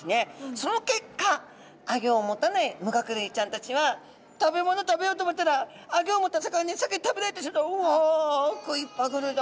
その結果アギョを持たない無顎類ちゃんたちは食べ物食べようと思ったらアギョを持った魚に先に食べられてうわ食いっぱぐれだ。